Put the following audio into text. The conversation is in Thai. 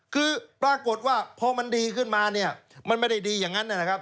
คือปรากฏว่าพอมันดีขึ้นมาเนี่ยมันไม่ได้ดีอย่างนั้นนะครับ